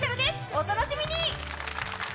お楽しみに！